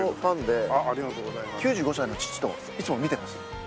９５歳の父といつも見てます。